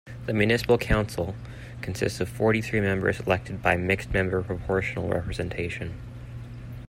The municipal council consists of forty-three members elected by mixed-member proportional representation.